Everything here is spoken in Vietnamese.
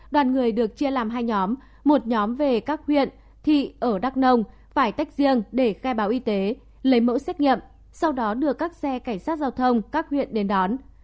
đoàn người được chia làm hai nhóm một nhóm về các huyện thị ở đắk nông phải tách riêng để khai báo y tế lấy mẫu xét nghiệm sau đó đưa các xe cảnh sát giao thông các huyện đến đón